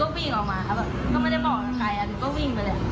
หนูก็วิ่งออกมาก็ไม่ได้บอกใครหนูก็วิ่งไปเลย